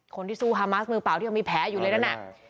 คนที่สู้ฮามาสมือเปล่าที่ยังมีแผลอยู่เลยนั่นน่ะ